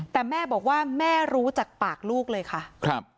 แต่แม่บอกว่าแม่รู้จากปากลูกเลยค่ะครับ